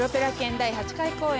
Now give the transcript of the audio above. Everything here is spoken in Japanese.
第８回公演